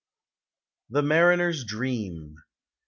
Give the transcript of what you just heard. THE MARINER'S DREAM.